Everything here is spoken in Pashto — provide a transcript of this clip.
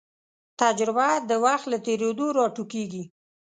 تجربه د وخت له تېرېدو راټوکېږي.